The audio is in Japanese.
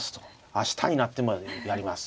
明日になってもやります。